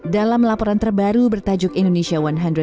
dalam laporan terbaru bertajuk indonesia satu ratus dua puluh dua puluh tiga